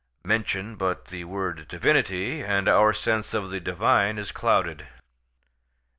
Mention but the word divinity, and our sense of the divine is clouded.